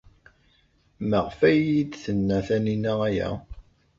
Maɣef ay iyi-d-tenna Taninna aya?